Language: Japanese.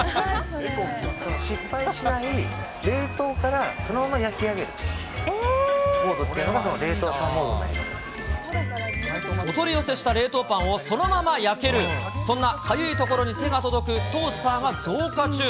失敗しない、冷凍からそのまま焼き上げるモードっていうのが、お取り寄せした冷凍パンをそのまま焼ける、そんなかゆいところに手が届くトースターが増加中。